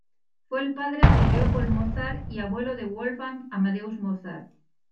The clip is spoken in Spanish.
Fue el padre de Leopold Mozart y abuelo de Wolfgang Amadeus Mozart.